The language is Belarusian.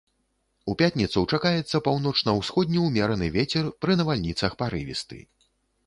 У пятніцу чакаецца паўночна-ўсходні ўмераны вецер, пры навальніцах парывісты.